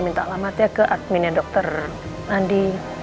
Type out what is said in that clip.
minta alamatnya ke adminnya dokter andi